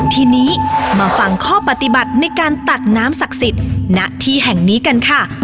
ทีนี้มาฟังข้อปฏิบัติในการตักน้ำศักดิ์สิทธิ์ณที่แห่งนี้กันค่ะ